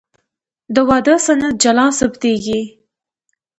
د واده سند جلا ثبتېږي.